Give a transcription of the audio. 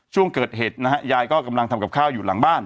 ช่วงเกิดเหตุนะฮะยายก็กำลังทำกับข้าวอยู่หลังบ้าน